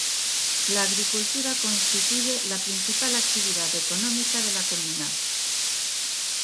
La agricultura constituye la principal actividad económica de la comuna.